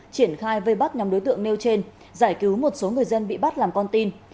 triển khai vây bắt nhóm đối tượng nêu trên giải cứu một số người dân bị bắt làm con tin